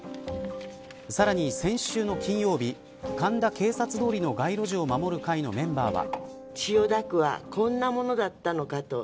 さらに、先週の金曜日神田警察通りの街路樹を守る会のメンバーは。